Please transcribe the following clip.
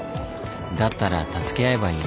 だったら助け合えばいい。